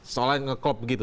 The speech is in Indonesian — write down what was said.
seolah olah nge cop gitu